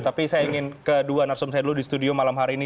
tapi saya ingin kedua narasumber saya dulu di studio malam hari ini